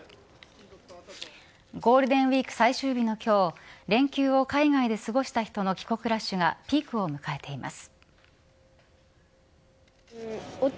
ゴールデンウイーク最終日の今日連休を海外で過ごした人の帰国ラッシュがピークを迎えています。